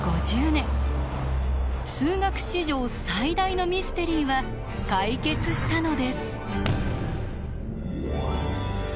数学史上最大のミステリーは解決したのです。